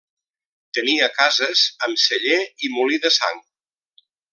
Tenia cases, amb celler i molí de sang.